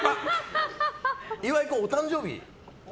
岩井君、お誕生日。